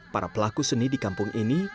para pelaku seni di kampung ini